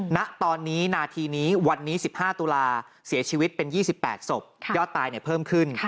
ณตอนนี้นาทีนี้วันนี้๑๕ตุลาเสียชีวิตเป็น๒๘ศพยอดตายเพิ่มขึ้น